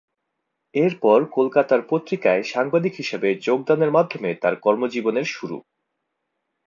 এরপর কলকাতার পত্রিকায় সাংবাদিক হিসাবে যোগদানের মাধ্যমে তার কর্মজীবনের শুরু।